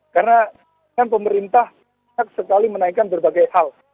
karena kan pemerintah banyak sekali menaikkan berbagai hal